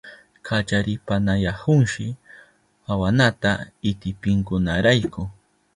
Kallaripayanahunshi awanata itipinkunarayku.